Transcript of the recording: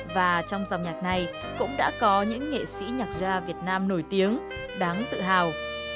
và trong dòng nhạc này cũng đã có những nghệ sĩ nhạc gia việt nam nổi tiếng đáng tự hào